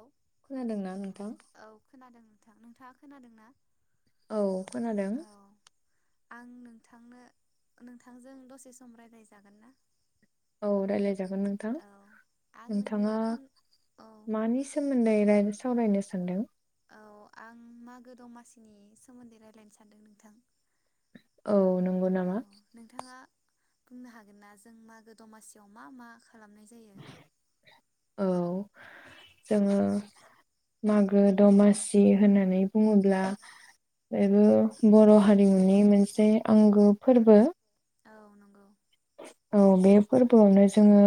औ खोनादोंना नोंथां? औ खोनादों नोंथां नोंथाङा खोनादों ना? औ खोनादों औ आं नोंथांनो नोंथांजों दसे सम राय्लाय जागोन ना? औ रायलाय जागोन नोंथां औ आं नोंनो नोंथाङा फन औ मानि सोमोनदै राय सावरायनो सानदों औ आं मागो दमासिनि सोमोनदै रायलायनो सानदों नोंथां औ नंगौ औ नामा नोंथाङा बुंनो हागोन ना जों मागो दमासियाव मा मा खालामनाय जायो औ जोङो मागो दमासि होननानै बुङोब्ला बेबो बर' हारिमुनि मोनसे आंगो फोरबो औ नंगौ औ बे फोरबोआवनो जोङो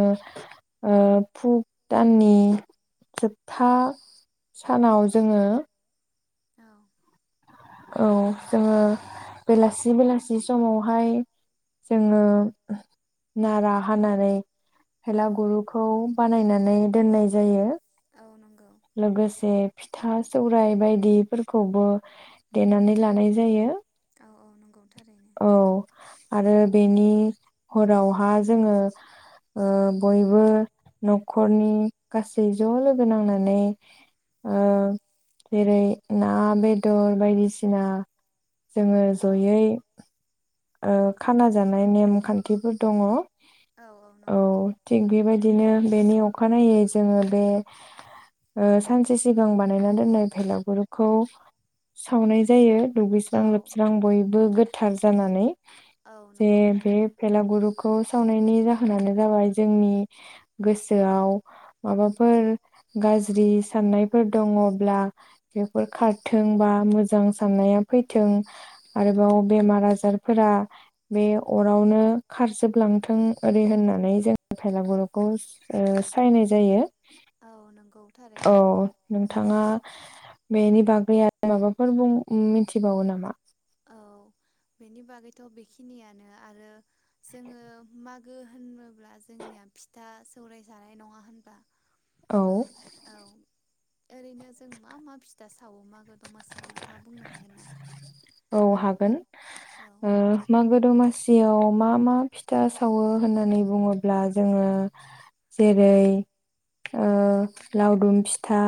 पुग दाननि जोबथा सानाव जोङो औ औ जोङो बेलासि बेलासि समावहाय जोङो नारा हानानै औ भेलागुरुखौ बानायनानै दोननाय जायो औ नंगौ लोगोसे फिथा सौराइ बायदिफोरखौबो देनानै लानाय जायो औ औ नंगौ थारैनो औ आरो बेनि हरावहा जोङो बयबो न'खरनि गासै ज' लोगो नांना नै जेरै ना बेदर बायदिसिना जोङो औ जयै खाना जानाय नेम खानथिफोर दङ औ थिग बेबायदिनो बेनि अखानायै जोङो बे सानसे सिगां बानायना दोननाय भेलागुरखौ सावनाय जायो औ दुगैस्रां लोबस्रां बयबो गोथ थार जानानै औ जे नंगौ बे थारैनो भेलागुरखौ खौ सावनायनि जाहोनानो जाबाय जोंनि गोसोआव माबाफोर गाज्रि साननायफोर दङब्ला बेफोर खारथों बा मोजां साननाया फैथों आरोबाव बेमार आजार फोरा बे अरावनो खारजोबलांथों ओरै होननानै जोंङो भेलागुरखौ सायनाय जायो औ नंगौ थारैनो औ नंगौ औ नोंथाङा बेनि बाग दे आरो माबाफोर बुं मिथिबावो नामा? औ बेनि बागैथ' बेखिनियानो आरो जोङो मागो होनोब्ला जोंनिया फिथा सौराय जानाय नङा होनबा औ औ ओरैनो जों मा मा फिथा सावो मागो दमासियाव नोंथाङा बुंनो हा औ हागोन औ मागो दमासियाव मा मा फिथा सावो होननानै बुङोब्ला जोङो जेरै लावदुम फिथा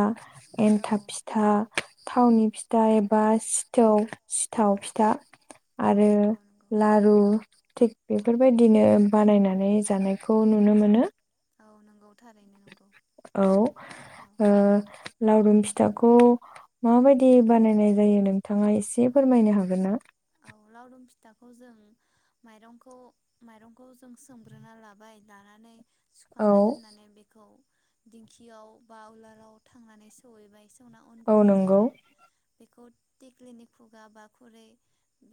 औ एनथाब फिथा थावनि फिथा एबा सिथोव सिथाव फिथा औ आरो नंगौ नंगौ लारु थिग बेफोरबायदिनो बानायनानै जानायखौ नुनो मोनो औ नंगौ थारैनो नं औ ओ लारुम फिथाखौ माबायदि बानायनाय जायो नोंथाङा एसे फोरमायनो हागोन ना औ लावदुम फिथाखौ जों माइरंखौ माइरंखौ जों सोमग्रोना लाबाय लानानै औ सुखांना दोननानै बेखौ दिंखियाव बा उलाराव थांनानै सहैबाय औ नंगौ। बेखौ टिक्लिनि खुगा बा खुरै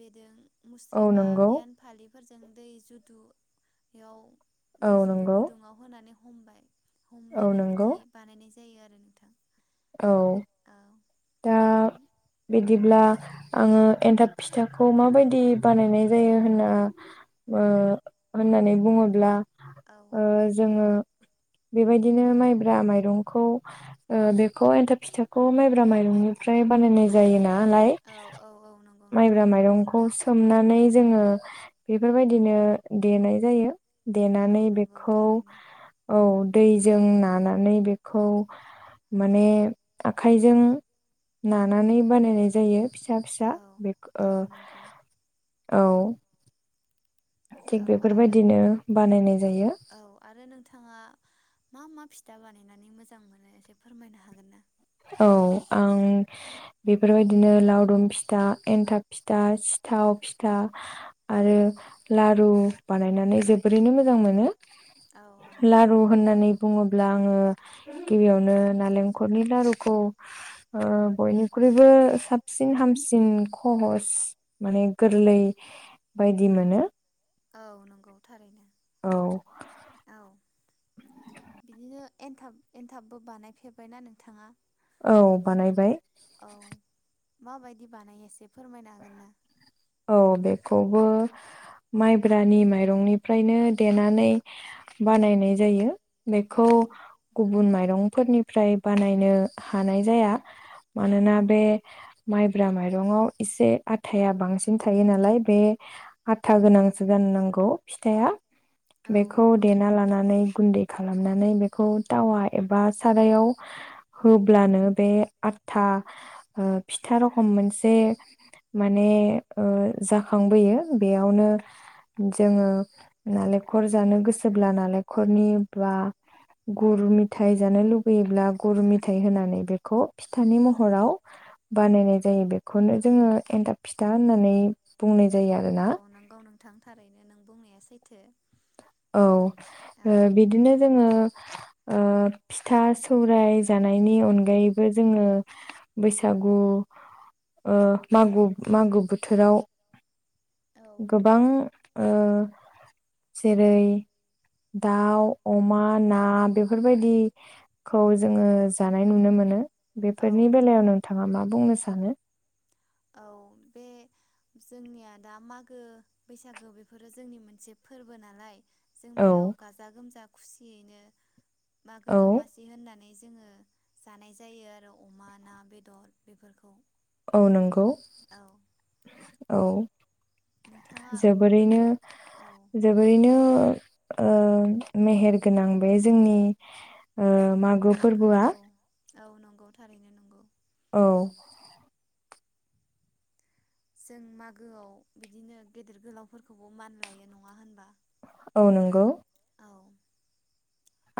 बेदों औ मुस्रिबा नंगौ बियान फालि फोरजों दै जुदु याव औ दै जुदु नंगौ गुदुङाव होनानै हम्बाय औ हमनानै नंगौ बिदि बानायनाय जायो आरो नोंथां। औ दा बिदिब्ला आङो एन्थाब फिथाखौ माबायदि बानायनाय जायो होनना ओ होननानै बुङोब्ला औ ओ जोङो बेबायदिनो माइब्रा माइरंखौ ओ बे खौ एन्थाब फिथाखौ माइब्रा माइरंनिफ्राय बानायनाय जायोना नालाय औ औ औ नंगौ नोंथां माइब्रा माइरंखौ सि सोमनानै जोङो बेफोरबायदिनो देनाय जायो। औ देनानै नंगौ बेखौ थारैनो औ दैजों नानानै बेखौ माने आखाइजों नानानै बानायनाय जायो। फिसा फिसा औ बेख औ ओ नंगौ औ थिग औ आरो बेफोरबायदिनो बानायनाय जायो। औ आरो नोंथाङा मा मा फिथा बानायनानै मोजां मोनो एसे फोरमायनो हागोन ना? औ आं बेफोरबायदिनो लावदुम फिथा एन्थाब फिथा सिथाव फिथा आरो लारु बानायनानै जोबोरैनो मोजां मोनो। औ औ नंगौ लारु होननानै बुङो ब्ला आङो गिबियावनो नालेंखरनि लारु खौ ओ बयनिख्रुइबो साबसिन हामसिन खहस माने गोरलै बायदि मोनो। औ नंगौ थारैनो। औ औ बिदिनो एनथाब एनथाबबो बानायफेरबायना नोंथाङा? औ बानायबाय। औ माबायदि बानायो एसे फोरमायनो हागोन ना? औ बेखौबो माइब्रानि माइरंनिफ्रायनो देनानै बानायनाय जायो। औ बेखौ गुबुन माइ माइरंफोरनिफ्राय बानायनो हानाय जाया। औ मानोना औ बे माइब्रा माइरंआव इसे आथाया बांसिन थायो नालाय बे आथा गोनांसो गाननांगौ फिथाया औ बेखौ नंगौ देना लानानै गुनदै खालामनानै बेखौ टावा एबा सारायाव होब्लानो बे आथा ओ फिथा रखम मोनसे माने ओ जाखांबोयो बेयावनो जोङो नालेंखर जानो गोसोब्ला नालेंखरनि बा औ गुर मिथाइ जानो लु योब्ला गरु मिथाइ होनानै बेखौ फिथानि महराव बानायनाय जायो बेखौनो जोङो एनथाब फिथा होननानै बुंनाय जायो आरोना औ नोंगौ नोंथां थारैनो नों बुंनाया सैथ थो औ बिदिनो जोङो ओ फिथा सौराय जानायनि अनगायैबो जोङो बैसागु ओ मागु मागो बोथोराव गोबां ओ जेरै दाउ अमा ना बेफोरबायदिखौ जोङो जानाय नुनो मोनो औ बेफोरनि नंगौ बेलायाव नोंथाङा मा बुंनो सानो औ बे जोंनिया दा मागो बैसागो बेफोरो जोंनि मोनसे फोरबो नालाय जों औ बेयाव गाजा गोमजा खुसियैनो मागो औ दमासि होननानै ज जोङो जानाय जायो आरो अमा, ना, बेदर बेफोरखौ औ नंगौ। औ [inaudible] औ नोंथाङा जोबोरैनो औ जोबोरैनो ओ मेहेर गोनां बे जोंनि ओ मागो फोरबोआ औ नंगौ थारैनो नंगौ औ जों मागोआव बिदिनो गेदेर गोलावफोरखौबो मान लायो नङा होनबा औ नंगौ औ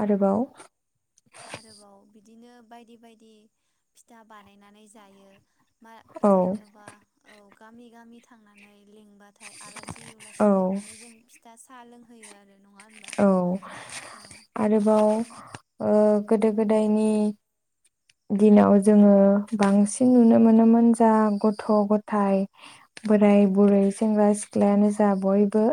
आरोबाव आरोबाव बिदिनो बायदि बायदि फिथा बानायनानै जायो। मा औ जेनेबा औ गामि गामि थांनानै लिंबाथाय आलासि उलासि औ लिंनानै जों फिथा साहा लोंहोयो आरो नङा होनबा औ औ आरोबाव ओ गोदो गोदायनि दिनाव जोङो बांसिन नुनो मोनोमोन जा गथ' गथाय बोराय बुरै सेंग्रा सिख्लायानो जा बयबो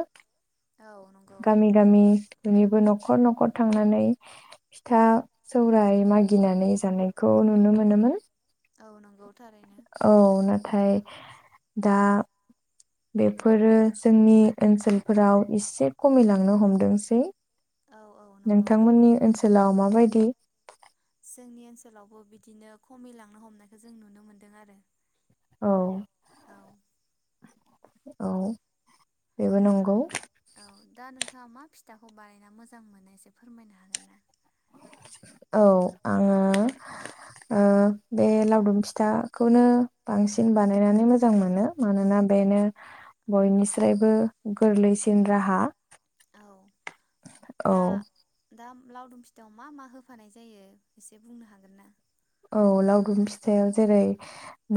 औ नंगौ गामि गामि बयनिबो नख न'खर न'खर थांनानै फिथा सौराय मागिनानै जानायखौ नुनो मोनोमोन। औ नंगौ थारै औ नाथाय दा बेफोरो जोंनि ओनसोलफोराव इसे खमायलांनो हमदोंसै औ औ नंगौ नोंथांमोननि ओनसोलाव माबायदि जोंनि ओनसोलावबो बिदिनो खमिलांनो हमनायखौ जों नुनो मोनदों आरो औ औ औ बेबो नंगौ औ दा नोंथाङा मा फिथाखौ बानायना मोजां मोनो एसे फोरमायनो हागोन ना? औ आङो ओ बे लावदुम फिथाखौनो बांसिन बानायनानै मोजां मोनो मानोना बेनो बयनिस्रायबो गोरलैसिन राहा औ औ दा दा लावदुम फिथायाव मा मा होफानाय जायो एसे बुंनो हागोन ना? औ लावदुम फिथायाव जेरै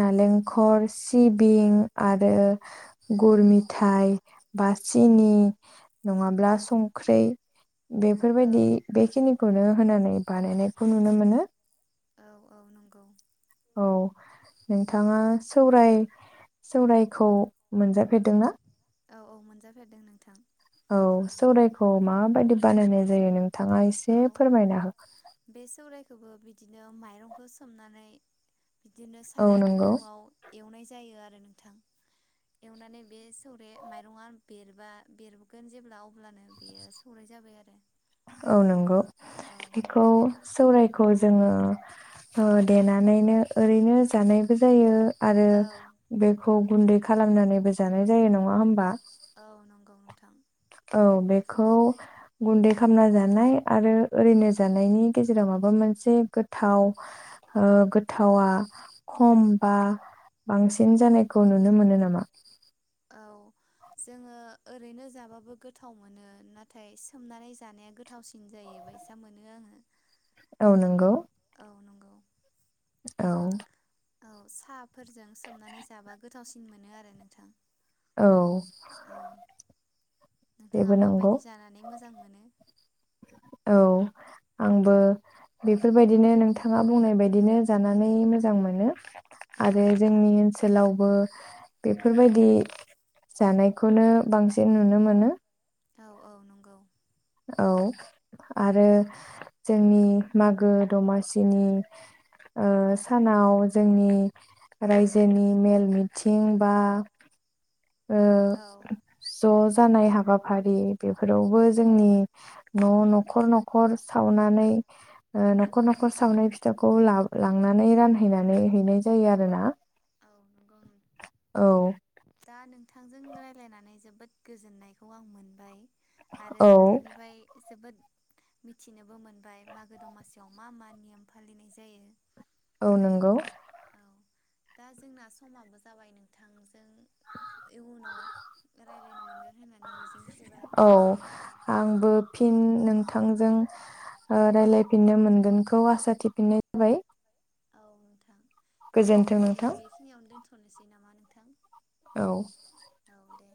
नालेंखर सिबिं आरो गुर मिथाइ बा सिनि नङाब्ला संख्रि औ बेफोरबायदि बेखिनिखौनो होनानै बानायनायखौ नुनो मोनो। औ औ नंगौ औ नोंथाङा सौराय सौरायखौ मोनजाफेरदोंना? औ औ मोनजाफेरदों नोंथां सौरायखौ माबायदि बानायनाय जायो नों नथाङा एसे फोरमायना हागोन खौबो बिदिनो माइरंखौ सोमनानै बिदिनो औ साराय नंगौ गुदुङाव एवनाय जायो आरो नोंथां एवनानै बे सौरे माइरङा बेरबा बेरगोन जेब्ला अब्लानो बेयो सौराय जाबाय आरो औ नंगौ औ बेखौ सौरायखौ जोङो देनानैनो ओरैनो जानायबो जायो आरो औ बेखौ गुन्दै खालामनानैबो जानाय जायो नङा होमबा औ नंगौ नोंथां औ बेखौ गुन्दै खालामामना जानाय आरो ओरैनो जानायनि गेजेराव माबा मोनसे गोथाव ओ गोथावा खम बा बांसिन जानायखौ नुनो मोनो नामा? औ जोंङो ओरैनो जाबाबो गोथाव मोनो नाथाय सोमनानै जानाया गोथावसिन जायोबायसा मोनो आंङो औ नंगौ। नंगौ औ औ साहाफोरजों सोमनानै जाबा गोथावसिन मोनो आरो नोंथां औ नोंथांङा बेबो नंगौ माबायदि जानानै मोजां मोनो? औ आंबो बेफोरबायदिनो नोंथाङा बुंनाय बायदिनो जानानै मोजां मोनो। औ आरो नोंथां जोंनि ओनसोलाव ओ बेफोरबायदि जानायखौनो बांसिन नुनो मोनो। औ - औ नंगौ औ आरो जोंनि मागो दमासिनि ओ सानाव जोंनि रायजोनि मेल मिथिं बा औ ओ ज' जानाय हाबाफारि बेफोरावबो जोंनि न' न'खर न'खर सावनानै ओ न'खर न'खर सावनाय फिथाखौ लांनानै रानहैनानै हैनाय जायो आरोना औ नंगौ औ दा नोंथांजों रायज्लायनानै जोबोद गोजोननायखौ आं मोनबाय आरो औ नोंथांनिफ्राय जोबोद मिथिनोबो मोनबाय मागो दमासियाव मा मा नेम फालिनाय जायो औ नंगौ औ दा जोंना समाबो जाबाय नोंथां ओं इयुनाव रायलायनो मोनगोन होननानै मिजिं थिबाय औ आंबो फिन नोंथांजों रायलायफिननो मोनगोनखौ आसा थिफिननाय जाबाय। औ नोंथां दे गोजोन्थों बिदिब्ला नोंथां बेखिनियावनो दोनथनो दोनथसै नामा नोंथां औ औ दे